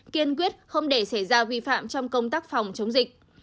kiên quyết không để xảy ra vi phạm trong công tác phòng chống dịch